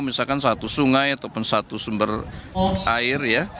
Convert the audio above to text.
misalkan satu sungai ataupun satu sumber air ya